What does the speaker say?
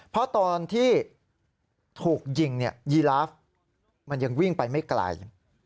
เพราะตอนที่ถูกยิงยีลาฟมันยังวิ่งไปไม่ไกล